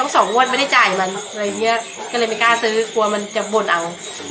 สองงวดไม่ได้จ่ายมันอะไรอย่างเงี้ยก็เลยไม่กล้าซื้อกลัวมันจะบ่นเอา